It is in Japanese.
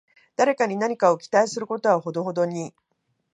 誰かに何かを期待することはほどほどに